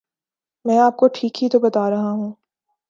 میں آپ کو ٹھیک ہی تو بتارہا ہوں